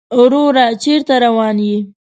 وروره چېرته روان يې؟